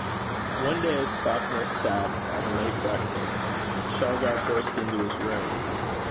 One day, as Falconer sat at a late breakfast, Shargar burst into his room.